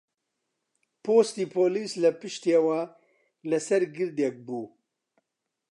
پۆستی پۆلیس لە پشتیەوە لەسەر گردێک بوو